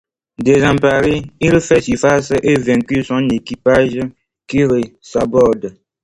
Désemparé, il fait surface et évacue son équipage, qui le saborde.